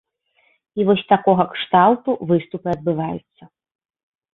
І вось такога кшталту выступы адбываюцца.